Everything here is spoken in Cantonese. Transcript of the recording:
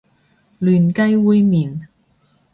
嫩雞煨麵